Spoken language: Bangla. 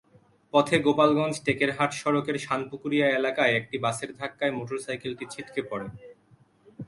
পথে গোপালগঞ্জ-টেকেরহাট সড়কের শানপুকুরিয়া এলাকায় একটি বাসের সঙ্গে ধাক্কায় মোটরসাইকেলটি ছিটকে পড়ে।